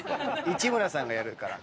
市村さんがやるから。